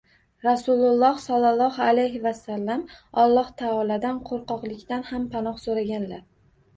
Rasululloh sollalohu alayhi vasallam Alloh taolodan qo‘rqoqlikdan ham panoh so‘raganlar: